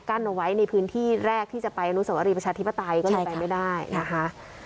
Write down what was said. เอาไว้ในพื้นที่แรกที่จะไปอนุสวรีประชาธิปไตยก็เลยไปไม่ได้นะคะ